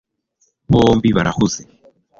bombi barahuze